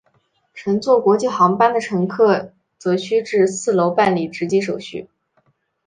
乘坐国际航班的乘客则需至四楼办理值机手续。